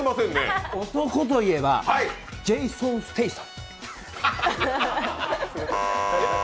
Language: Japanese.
男といえば、ジェイソン・ステイサム。